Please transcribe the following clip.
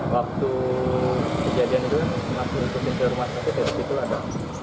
waktu kejadian itu masuk ke rumah saya tersebut ada